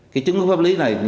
cái chứng cứ pháp lý này